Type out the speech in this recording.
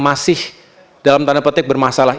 masih dalam tanda petik bermasalah